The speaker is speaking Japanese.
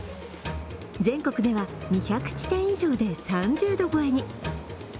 全国では２００地点以上で３０度超えに。